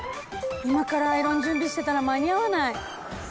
今からアイロン準備してたら間に合わない！